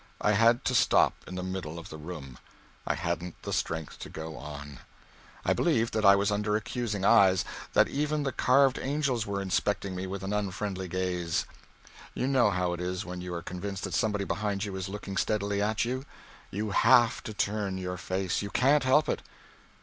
I had to stop in the middle of the room. I hadn't the strength to go on. I believed that I was under accusing eyes that even the carved angels were inspecting me with an unfriendly gaze. You know how it is when you are convinced that somebody behind you is looking steadily at you. You have to turn your face you can't help it.